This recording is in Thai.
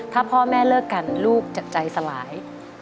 ถ้าพ่อแม่เลิกกันลูกจะใจสลาย